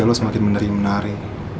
lo semakin menari menari